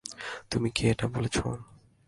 তুমি কি এটা বলেছো?